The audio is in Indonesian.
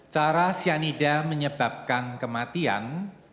cara cyanida menyebabkan kematian